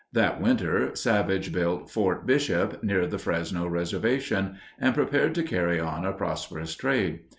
That winter Savage built Fort Bishop, near the Fresno reservation, and prepared to carry on a prosperous trade.